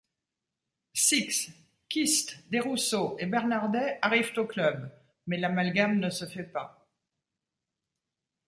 Six, Kist, Desrousseaux et Bernardet arrivent au club, mais l'amalgame ne se fait pas.